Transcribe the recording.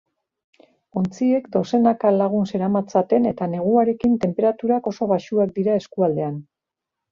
Ontziek dozenaka lagun zeramatzaten eta neguarekin tenperaturak oso baxuak dira eskualdean.